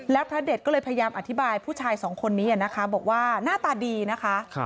แล้วพระเด็ดก็เลยพยายามอธิบายผู้ชายสองคนนี้นะคะบอกว่าหน้าตาดีนะคะ